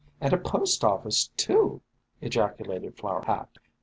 And a post office, too !" ejacu lated Flower Hat.